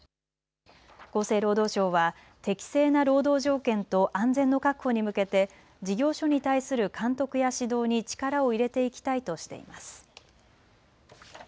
厚生労働省は適正な労働条件と安全の確保に向けて事業所に対する監督や指導に力を入れていきたいとしています。